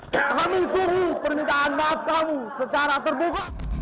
kami tunggu permintaan maaf kamu secara terbukak